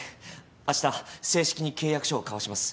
あした正式に契約書を交わします。